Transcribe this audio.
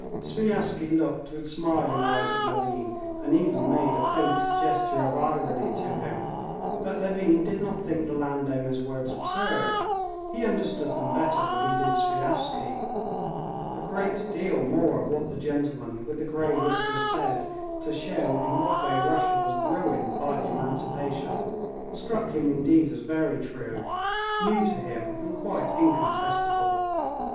Sviazhsky looked with smiling eyes at Levin, and even made a faint gesture of irony to him; but Levin did not think the landowner's words absurd, he understood them better than he did Sviazhsky. A great deal more of what the gentleman with the gray whiskers said to show in what way Russia was ruined by the emancipation struck him indeed as very true, new to him, and quite incontestable.